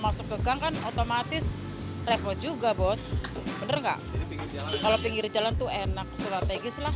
masuk ke gang kan otomatis repot juga bos bener enggak kalau pinggir jalan tuh enak strategis lah